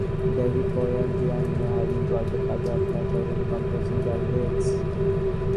David Bowie and Brian Eno have employed the cut-up method in composing their lyrics.